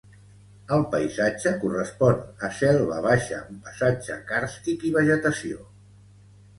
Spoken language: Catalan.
El paisatge correspon a selva baixa amb passatge càrstic i vegetació.